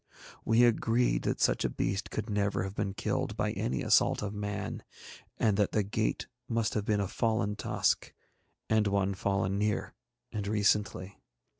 We agreed that such a beast could never have been killed by any assault of man, and that the gate must have been a fallen tusk, and one fallen near and recently.